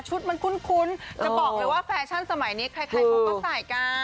มันคุ้นจะบอกเลยว่าแฟชั่นสมัยนี้ใครเขาก็ใส่กัน